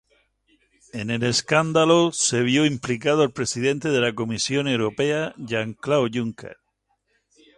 En el escándalo se vio implicado el presidente de la Comisión Europea Jean-Claude Juncker.